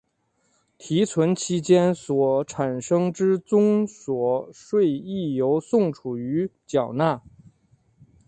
提存期间所产生之综所税亦由宋楚瑜缴纳。